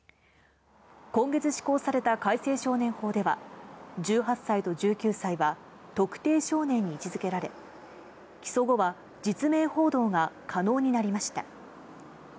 今月施行された改正少年法では、１８歳と１９歳は、特定少年に位置づけられ、起訴後は、実名報道が可能になりました。